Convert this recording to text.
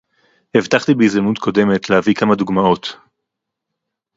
הבטחתי בהזדמנות קודמת להביא כמה דוגמאות